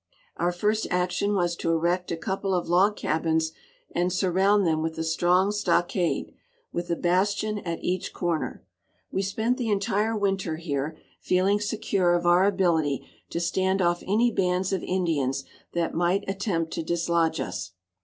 Our first action was to erect a couple of log cabins and surround them with a strong stockade, with a bastion at each corner. We spent the entire winter here, feeling secure of our ability to stand off any bands of Indians that might attempt to dislodge us.